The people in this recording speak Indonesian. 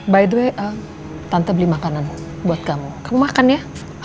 by the way tanpa beli makanan buat kamu kamu makan ya